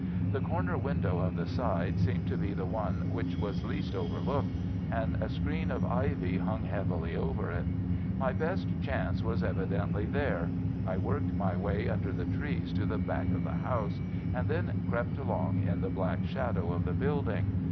The corner window of the side seemed to be the one which was least overlooked, and a screen of ivy hung heavily over it. My best chance was evidently there. I worked my way under the trees to the back of the house, and then crept along in the black shadow of the building.